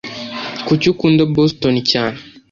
Kuki ukunda Boston cyane?